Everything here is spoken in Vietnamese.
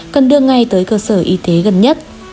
cần đưa ngay tới cơ sở y tế gần nhất